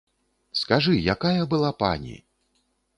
Скажы, якая была пані!